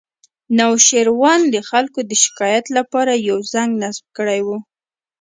نوشیروان د خلکو د شکایت لپاره یو زنګ نصب کړی و